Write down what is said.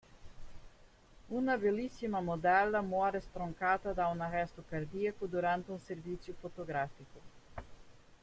Una bellissima modella muore stroncata da un arresto cardiaco durante un servizio fotografico.